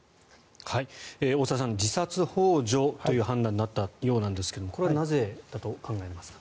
大澤さん、自殺ほう助という判断になったようですがこれはなぜだと考えますか。